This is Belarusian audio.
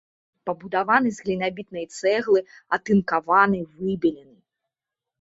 Пабудаваны з глінабітнай цэглы, атынкаваны, выбелены.